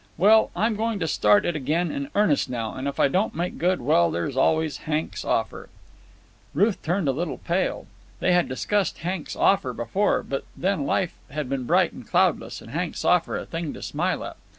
Well, I'm going to start it again in earnest now, and if I don't make good, well, there's always Hank's offer." Ruth turned a little pale. They had discussed Hank's offer before, but then life had been bright and cloudless and Hank's offer a thing to smile at.